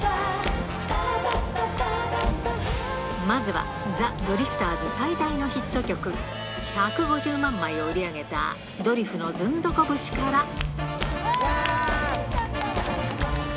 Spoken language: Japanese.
まずは、ザ・ドリフターズ最大のヒット曲、１５０万枚を売り上げたドリフのズンドコ節から。